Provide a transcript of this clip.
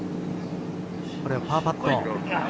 これはパーパット。